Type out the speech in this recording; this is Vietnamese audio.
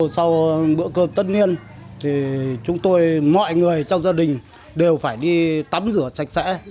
sau bữa cơm tất niên thì chúng tôi mọi người trong gia đình đều phải đi tắm rửa sạch sẽ